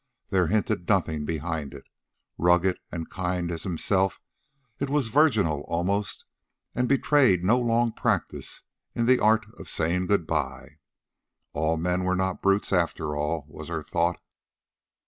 There hinted nothing behind it. Rugged and kind as himself, it was virginal almost, and betrayed no long practice in the art of saying good bye. All men were not brutes after all, was her thought.